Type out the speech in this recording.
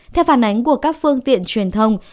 theo phản ánh của các phương tiện truyền thông